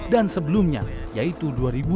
dan sebelumnya yaitu dua ribu lima belas